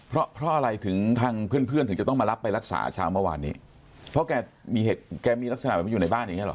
เพราะเพราะอะไรถึงทางเพื่อนเพื่อนถึงจะต้องมารับไปรักษาเช้าเมื่อวานนี้เพราะแกมีเหตุแกมีลักษณะแบบนี้อยู่ในบ้านอย่างเงี้หรอ